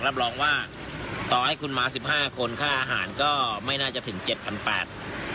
รับรองว่าต่อให้คุณมา๑๕คนค่ะอาหารก็ไม่น่าจะถึง๗๘๐๐บาท